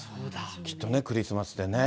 きっとね、クリスマスでね。